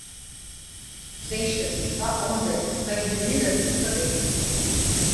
Beş dakika, on dakika, yirmi dakika bekledik.